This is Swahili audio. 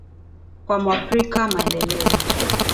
Kwa mwafrika maendeleo